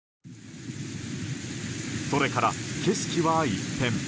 それから景色は一変。